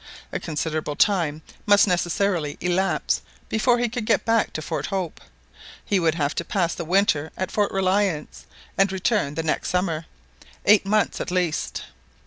A considerable time must necessarily elapse before he could get back to Fort Hope. He would have to pass the winter at Fort Reliance, and return the next summer. Eight months at least!